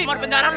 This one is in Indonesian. luar benjaran lo